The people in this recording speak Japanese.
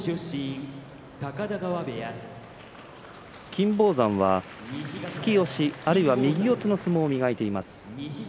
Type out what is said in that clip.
金峰山は突き押し、あるいは右四つの相撲を磨いています。